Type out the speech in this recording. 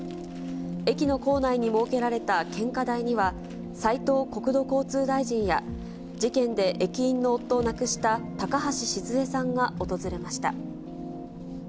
駅の構内に設けられた献花台には、斉藤国土交通大臣や、事件で駅員の夫を亡くした高橋シズヱさんが訪れました。